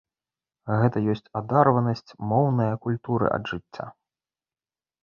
Гэта ёсць адарванасць моўнае культуры ад жыцця.